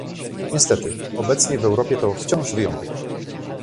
Niestety obecnie w Europie to wciąż wyjątek